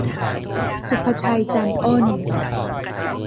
ศุภชัย จันอ้น